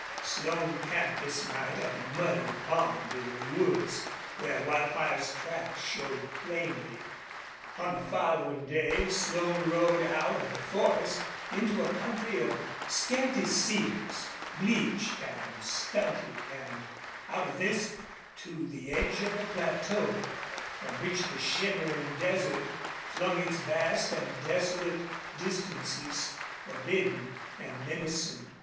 Slone camped this night at a muddy pond in the woods, where Wildfire's tracks showed plainly. On the following day Slone rode out of the forest into a country of scanty cedars, bleached and stunted, and out of this to the edge of a plateau, from which the shimmering desert flung its vast and desolate distances, forbidding and menacing.